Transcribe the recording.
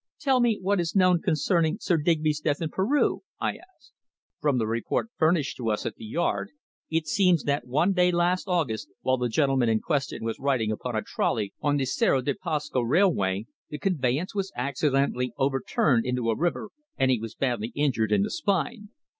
"Tell me what is known concerning Sir Digby's death in Peru," I asked. "From the report furnished to us at the Yard it seems that one day last August, while the gentleman in question was riding upon a trolley on the Cerro de Pasco railway, the conveyance was accidentally overturned into a river, and he was badly injured in the spine.